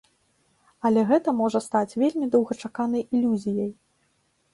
Але гэта можа стаць вельмі доўгачаканай ілюзіяй!